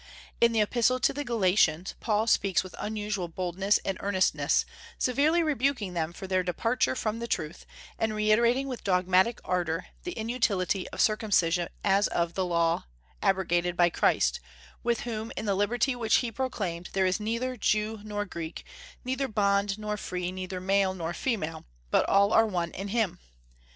In the Epistle to the Galatians Paul speaks with unusual boldness and earnestness, severely rebuking them for their departure from the truth, and reiterating with dogmatic ardor the inutility of circumcision as of the Law abrogated by Christ, with whom, in the liberty which he proclaimed, there is neither Jew nor Greek, neither bond nor free, neither male nor female, but all are one in Him.